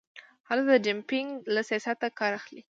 هلته د ډمپینګ له سیاسته کار اخلي.